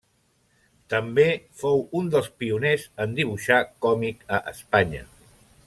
També fou un dels pioners en dibuixar còmic a Espanya.